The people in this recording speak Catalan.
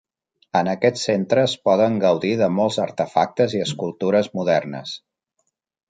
En aquest centre es poden gaudir de molts artefactes i escultures modernes.